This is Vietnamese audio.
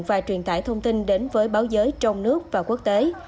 và truyền tải thông tin đến với báo giới trong nước và quốc tế